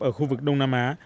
ở khu vực đông nam á